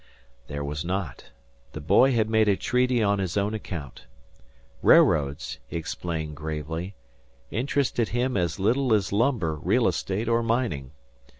There was not. The boy had made a treaty on his own account. Railroads, he explained gravely, interested him as little as lumber, real estate, or mining.